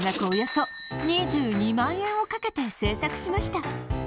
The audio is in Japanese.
およそ２２万円をかけて制作しました。